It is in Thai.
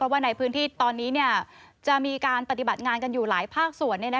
ว่าในพื้นที่ตอนนี้จะมีการปฏิบัติงานกันอยู่หลายภาคส่วน